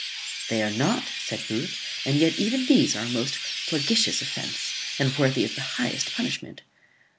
"They are not," said Booth; "and yet even these are a most flagitious offence, and worthy the highest punishment."